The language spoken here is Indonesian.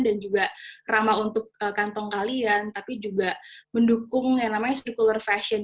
dan juga ramah untuk kantong kalian tapi juga mendukung yang namanya circular fashion